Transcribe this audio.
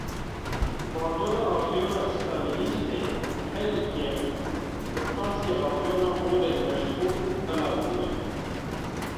Bandora afyona stalînîzmê, herî kêm bi qasî afyona olên meşhûr belav bûye.